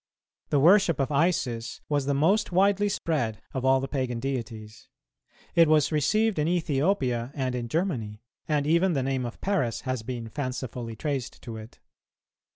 The worship of Isis was the most widely spread of all the pagan deities; it was received in Ethiopia and in Germany, and even the name of Paris has been fancifully traced to it.